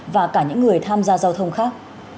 và cả những người tham gia giao thông khác